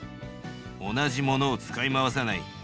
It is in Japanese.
同じものを使い回さない。